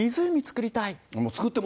湖造りたい。